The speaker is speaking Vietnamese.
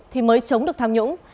thì mới chống được tham nhũng